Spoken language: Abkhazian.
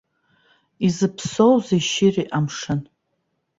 Изыԥсоузеи шьыри амшын.